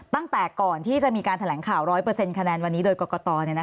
ตั้งแต่ก่อนที่จะมีการแถลงข่าว๑๐๐คะแนนวันนี้โดยกรกต